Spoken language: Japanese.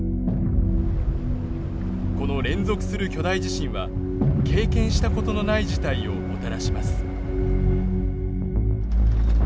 この連続する巨大地震は経験したことのない事態をもたらします。